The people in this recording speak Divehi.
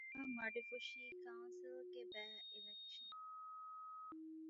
ތ.މަޑިފުށީ ކައުންސިލްގެ ބައި-އިލެކްޝަން